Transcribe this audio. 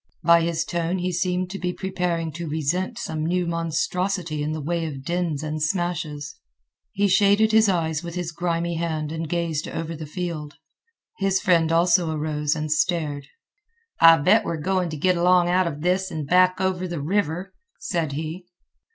By his tone he seemed to be preparing to resent some new monstrosity in the way of dins and smashes. He shaded his eyes with his grimy hand and gazed over the field. His friend also arose and stared. "I bet we're goin' t' git along out of this an' back over th' river," said he.